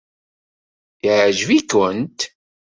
Yeɛjeb-ikent?